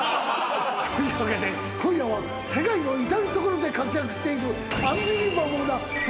というわけで今夜は世界の至る所で活躍している。